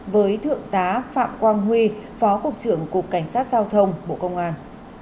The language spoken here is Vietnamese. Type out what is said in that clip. với thượng tá phạm quang huy phó cục trưởng cục cảnh sát giao thông bộ công an